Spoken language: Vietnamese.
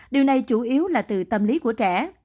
điều này chủ yếu là từ tâm lý của trẻ